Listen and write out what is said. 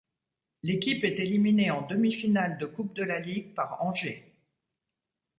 L'équipe est éliminée en demi finale de coupe de la ligue par Angers.